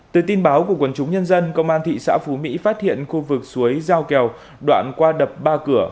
từ tin báo của quần chúng nhân dân công an thị xã phú mỹ phát hiện khu vực suối giao kèo đoạn qua đập ba cửa